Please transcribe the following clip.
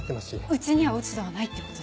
うちには落ち度はないってことね。